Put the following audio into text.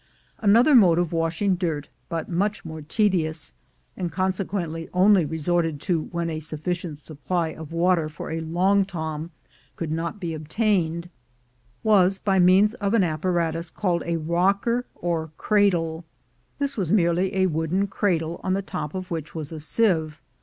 /Another mode of washing dirt, but much rriore te'dtous, and consequently only resorted to where a suf ficient supply of water for a long tom could not be obtained, was by means of an apparatus called a "rocker" or "cradle." This was merely a wooden cradle, on the top of which was a sieve.